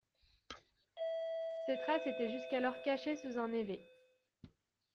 Ces traces étaient jusqu'alors cachées sous un névé.